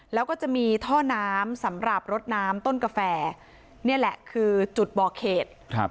แล้วก็จะมีท่อน้ำสำหรับรถน้ำต้นกาแฟนี่แหละคือจุดบ่อเขตครับ